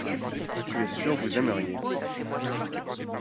tu es sûr vous aimeriez.